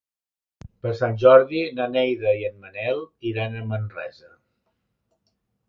Per Sant Jordi na Neida i en Manel iran a Manresa.